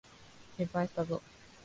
心配したぞ。